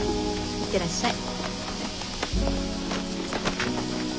いってらっしゃい。